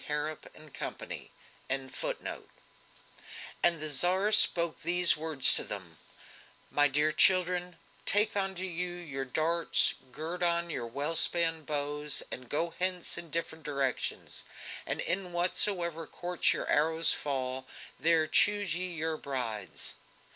Harrap and Company.)] And the Tsar spoke these words to them: "My dear children, take unto you your darts, gird on your well spanned bows, and go hence in different directions, and in whatsoever courts your arrows fall, there choose ye your brides!"